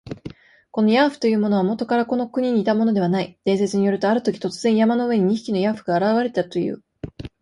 このヤーフというものは、もとからこの国にいたものではない。伝説によると、あるとき、突然、山の上に二匹のヤーフが現れたという。